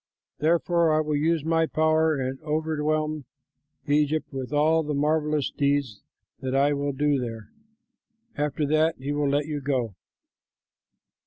Therefore I will use my power and overwhelm Egypt with all the marvellous deeds that I will do there. After that he will let you go."